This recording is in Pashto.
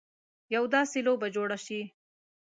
یوه داسې لوبه جوړه شي.